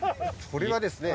これはですね